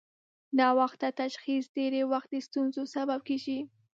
ناوخته تشخیص ډېری وخت د ستونزو سبب کېږي.